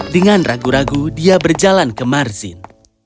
dengan ragu ragu dia berjalan ke marzin